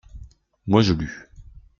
Moi, je lus.